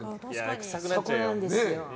そこなんですよ。